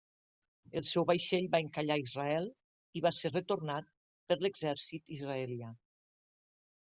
El seu vaixell va encallar a Israel, i va ser retornat per l'exèrcit israelià.